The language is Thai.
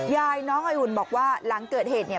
ยายน้องไออุ่นบอกว่าหลังเกิดเหตุเนี่ย